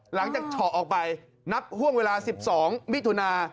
หลังจากเฉาะออกไปนับห้วงเวลา๑๒มิถุนา